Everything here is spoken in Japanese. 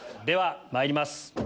ではまいります